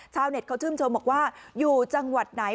ชาวเน็ตเขาชื่นชมบอกว่าอยู่จังหวัดไหน